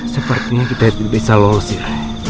sepertinya kita tidak bisa lulusin